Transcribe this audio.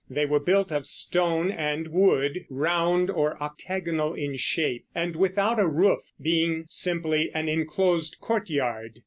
They were built of stone and wood, round or octagonal in shape, and without a roof, being simply an inclosed courtyard.